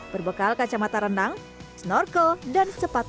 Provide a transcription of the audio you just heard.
berbekal kacamata renang snorkel dan sepatu penyu